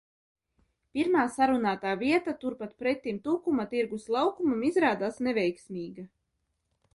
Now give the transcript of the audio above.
Pirmā sarunātā vieta turpat pretim Tukuma tirgus laukumam izrādās neveiksmīga.